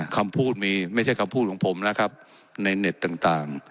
คำพูดมีไม่ใช่คำพูดของผมนะครับในเน็ตต่าง